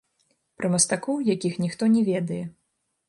Пра мастакоў, якіх ніхто не ведае.